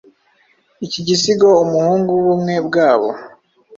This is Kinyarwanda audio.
iki gisigo Umuhungu wubumwe bwabo